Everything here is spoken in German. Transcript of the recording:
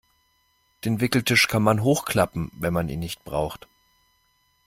Den Wickeltisch kann man hochklappen, wenn man ihn nicht braucht.